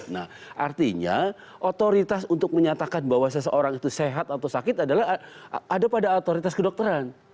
nah artinya otoritas untuk menyatakan bahwa seseorang itu sehat atau sakit adalah ada pada otoritas kedokteran